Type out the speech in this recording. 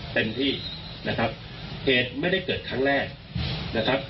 เต็มที่นะครับเหตุไม่ได้เกิดครั้งแรกนะครับ